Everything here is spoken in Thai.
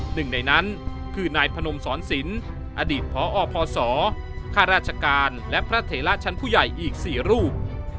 หนึ่งในนั้นคือนายพนมสอนศิลป์อดีตพอพศข้าราชการและพระเถระชั้นผู้ใหญ่อีก๔รูป